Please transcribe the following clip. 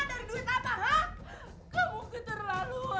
borong semua yang kamu mau ya